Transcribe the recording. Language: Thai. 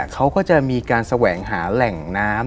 เขาก็จะมีการแสวงหาแหล่งน้ำ